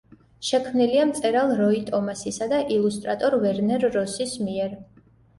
შექმნილია მწერალ როი ტომასისა და ილუსტრატორ ვერნერ როსის მიერ.